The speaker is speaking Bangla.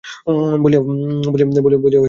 বলিয়া ছেলেদের ডাকিল।